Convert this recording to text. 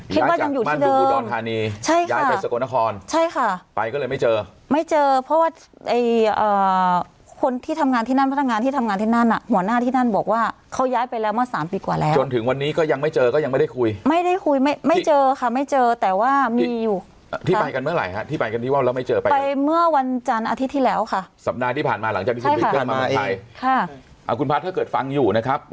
ที่บ้านยังอยู่ที่เดิมใช่ค่ะใช่ค่ะไปก็เลยไม่เจอไม่เจอเพราะว่าคนที่ทำงานที่นั่นพนักงานที่ทำงานที่นั่นน่ะหัวหน้าที่นั่นบอกว่าเขาย้ายไปแล้วเมื่อสามปีกว่าแล้วจนถึงวันนี้ก็ยังไม่เจอก็ยังไม่ได้คุยไม่ได้คุยไม่เจอค่ะไม่เจอแต่ว่ามีอยู่ที่ไปกันเมื่อไหร่ที่ไปกันที่ว่าเราไม่เจอไปเมื่อวันจานอาทิตย์ท